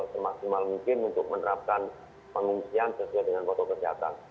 semaksimal mungkin untuk menerapkan pengungsian sesuai dengan protokol kesehatan